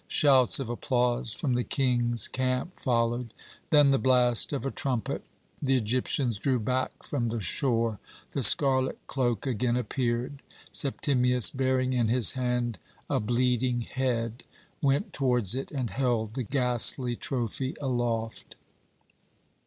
Shouts of applause from the King's camp followed, then the blast of a trumpet; the Egyptians drew back from the shore. The scarlet cloak again appeared. Septimius, bearing in his hand a bleeding head, went towards it and held the ghastly trophy aloft.